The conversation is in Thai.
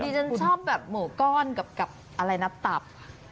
ฉันชอบแบบหมูก้อนกับอะไรนะตับ